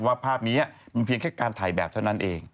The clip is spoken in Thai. ภาพนี้มันเพียงแค่การถ่ายแบบเท่านั้นเอง